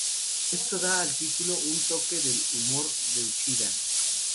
Esto da al título un toque del humor de Uchida.